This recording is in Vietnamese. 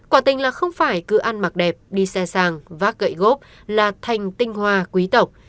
quả tình là không phải cứ ăn mặc đẹp đi xe sàng vác gậy gốc là thành tinh hoa quý tộc